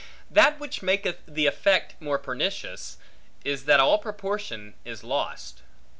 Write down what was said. That which maketh the effect more pernicious, is that all proportion is lost.